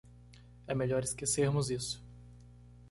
É melhor esquecermos isso.